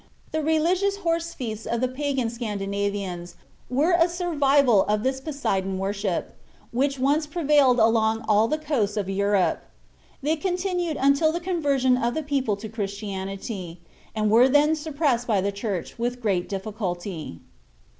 The religious horse feasts of the pagan Scandinavians were a survival of this Poseidon worship, which once prevailed along all the coasts of Europe; they continued until the conversion of the people to Christianity, and were then suppressed by the Church with great difficulty.